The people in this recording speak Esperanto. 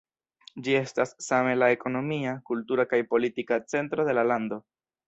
Ĝi estas same la ekonomia, kultura kaj politika centro de la lando.